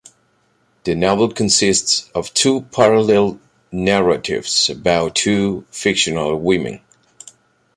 The novel consists of two parallel narratives about two fictional women.